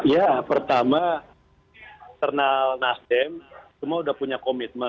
ya pertama internal nasdem semua sudah punya komitmen